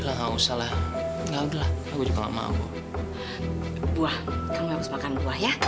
buah kamu harus makan buah ya